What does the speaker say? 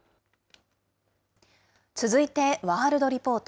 続いてワールドリポート。